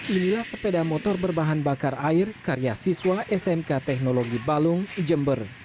inilah sepeda motor berbahan bakar air karya siswa smk teknologi balung jember